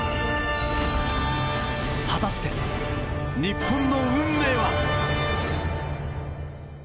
果たして、日本の運命は。